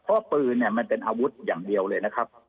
เพราะปืนเนี่ยมันเป็นอาวุธอย่างเดียวเลยนะครับ